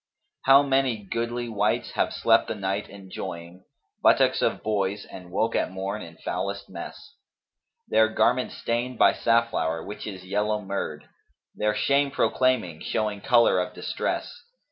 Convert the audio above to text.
How many goodly wights have slept the night, enjoying * Buttocks of boys, and woke at morn in foulest mess Their garments stained by safflower, which is yellow merde; * Their shame proclaiming, showing colour of distress.